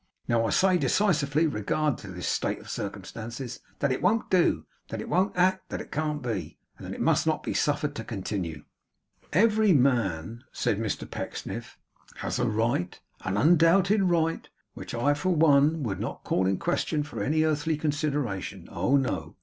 Now I say decisively with regard to this state of circumstances, that it won't do; that it won't act; that it can't be; and that it must not be suffered to continue.' 'Every man,' said Mr Pecksniff, 'has a right, an undoubted right, (which I, for one, would not call in question for any earthly consideration; oh no!)